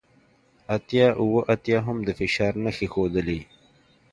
اتیا اوه اتیا هم د فشار نښې ښودلې